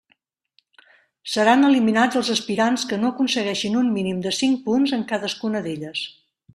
Seran eliminats els aspirants que no aconsegueixin un mínim de cinc punts en cadascuna d'elles.